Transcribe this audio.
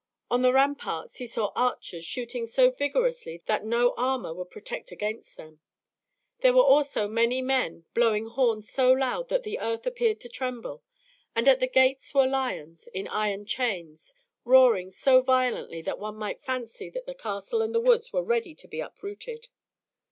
On the ramparts he saw archers shooting so vigorously that no armor would protect against them; there were also men blowing horns so loud that the earth appeared to tremble; and at the gates were lions, in iron chains, roaring so violently that one might fancy that the castle and the woods were ready to be uprooted.